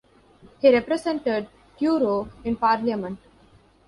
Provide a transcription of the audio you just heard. He represented Truro in Parliament.